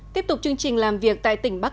tiếp tục chương trình làm việc tại tỉnh bắc